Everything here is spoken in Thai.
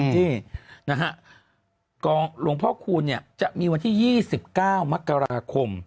นี่นะฮะกรรมลูงพ่อคูณเนี่ยจะมีวันที่๒๙มกราคม